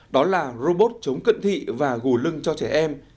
đó là robot chống cận thị và gù lưng cho trẻ em